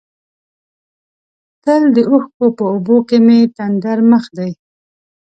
تل د اوښکو په اوبو کې مې تندر مخ دی.